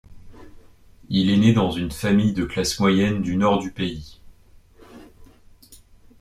Il est né dans une famille de classe moyenne du nord du pays.